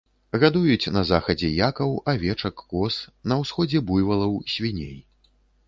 Гадуюць на захадзе якаў, авечак, коз, на ўсходзе буйвалаў, свіней.